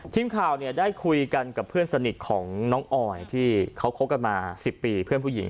ทีมข่าวได้คุยกันกับเพื่อนสนิทของน้องออยที่เขาคบกันมา๑๐ปีเพื่อนผู้หญิง